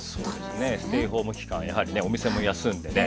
ステイホーム期間はやはりねお店も休んでね